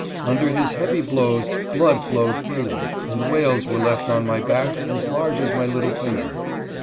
Under his heavy blows blood flowed freely, and wales were left on my back as large as my little finger.